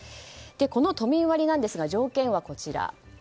この都民割ですが条件はこちら。